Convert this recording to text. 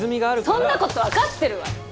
そんなこと分かってるわよ！